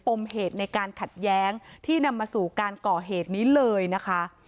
มเหตุในการขัดแย้งที่นำมาสู่การก่อเหตุนี้เลยนะคะ